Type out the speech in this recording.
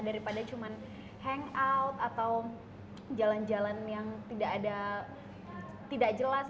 daripada cuma hangout atau jalan jalan yang tidak jelas